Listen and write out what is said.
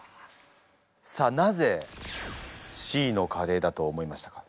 さあなぜＣのカレーだと思いましたか？